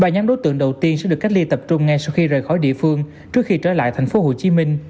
ba nhóm đối tượng đầu tiên sẽ được cách ly tập trung ngay sau khi rời khỏi địa phương trước khi trở lại tp hcm